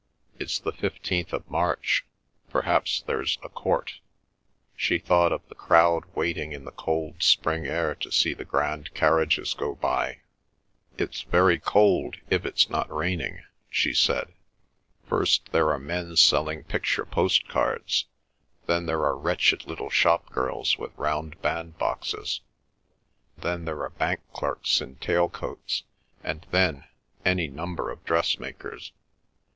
"It's the fifteenth of March. Perhaps there's a Court." She thought of the crowd waiting in the cold spring air to see the grand carriages go by. "It's very cold, if it's not raining," she said. "First there are men selling picture postcards; then there are wretched little shop girls with round bandboxes; then there are bank clerks in tail coats; and then—any number of dressmakers.